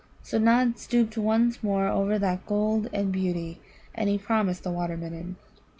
So Nod stooped once more over that gold and beauty, and he promised the Water midden.